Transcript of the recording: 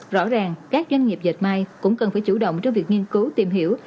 rõ ràng các doanh nghiệp dệt mai cũng cần phải chủ động trong việc nghiên cứu tìm hiểu